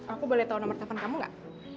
aku boleh tahu nomor telepon kamu gak